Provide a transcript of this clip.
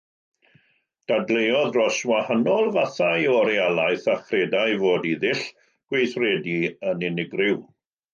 Dadleuodd dros wahanol fathau o realaeth a chredai fod ei ddull gweithredu yn unigryw.